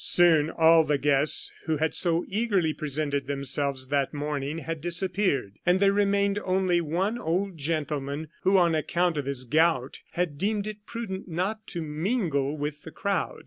Soon all the guests, who had so eagerly presented themselves that morning, had disappeared, and there remained only one old gentleman who, on account of his gout, had deemed it prudent not to mingle with the crowd.